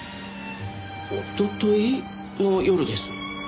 おととい？の夜です。